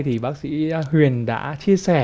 thì bác sĩ huyền đã chia sẻ